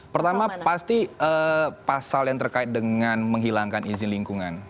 pertama pasti pasal yang terkait dengan menghilangkan izin lingkungan